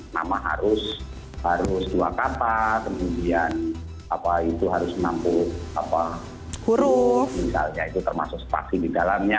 nama harus dua kata kemudian itu harus enam puluh huruf misalnya itu termasuk spasi di dalamnya